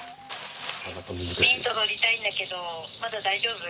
「ミント取りたいんだけどまだ大丈夫？」